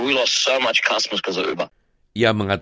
itu mengambil banyak uang